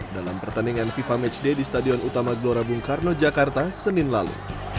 dalam pertandingan fifa match day di stadion utama glorabung karno jakarta senin lalu